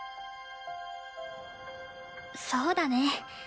そうだね。